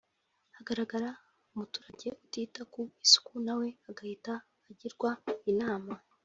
hagaragara umuturage utita ku isuku nawe ahagita agirwa inama